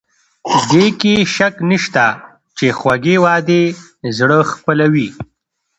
دې کې شک نشته چې خوږې وعدې زړه خپلوي.